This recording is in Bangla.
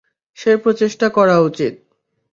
সেই প্রচেষ্টা করা উচিত।